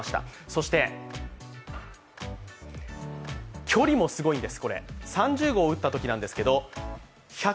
そして距離もすごいんです。